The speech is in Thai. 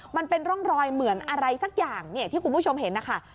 มันเป็นร่องรอยเหมือนอะไรสักอย่างที่คุณผู้ชมเห็นนะคะ